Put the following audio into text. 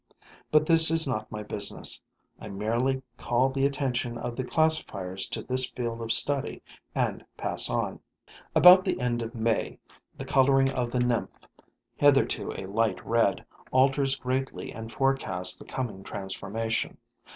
But this is not my business: I merely call the attention of the classifiers to this field of study and pass on. About the end of May, the coloring of the nymph, hitherto a light red, alters greatly and forecasts the coming transformation.